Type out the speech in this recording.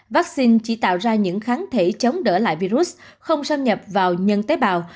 vaccine chỉ tạo ra những kháng thể chống đỡ lại virus không xâm nhập vào nhân tế bào